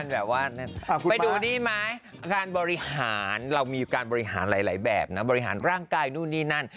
แบบนี้ไหมเรามีการบริหารหลายแบบนะบริหารร่างกายนู่นนี่นั่น